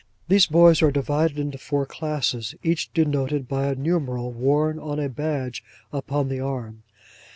These boys are divided into four classes, each denoted by a numeral, worn on a badge upon the arm.